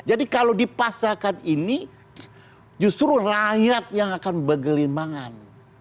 jadi kalau dipasarkan ini justru rakyat yang akan bergelimbangan